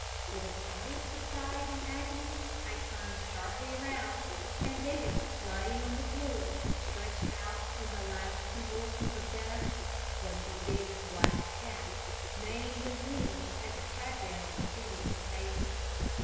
With a cry of surprise and agony I turned sharply round, and there, lying on the floor, stretched out in the last convulsions of death, was the big black cat, maimed and bleeding as it had been on the previous occasion.